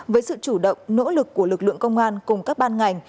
với sự chủ động nỗ lực của lực lượng công an cùng các ban ngành